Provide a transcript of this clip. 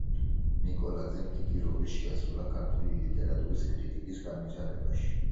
ნიკოლაძემ დიდი როლი შეასრულა ქართული ლიტერატურის კრიტიკის განვითარებაში.